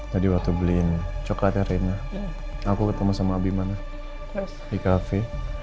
tadi waktu beliin coklatnya reina aku ketemu sama abi mana di cafe